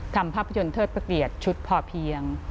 ทำภาพยนตร์เทิดประเทียดชุดพอเพียง